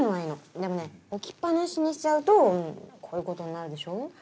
でもね置きっ放しにしちゃうとこういうことになるでしょ？ね？